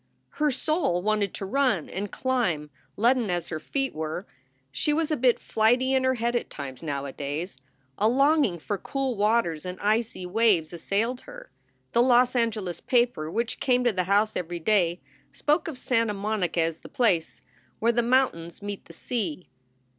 Her soul wanted to run and climb, leaden as her feet were. She was a bit flighty in her head at times, nowadays. A longing for cool waters and icy waves assailed her. The Los Angeles paper which came to the house every day spoke of Santa Monica as the place " where the mountains meet the sea."